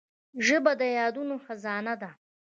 ژبه د یادونو خزانه ده